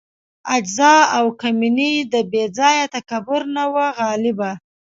عجز او کمیني د بې ځای تکبر نه وه غالبه.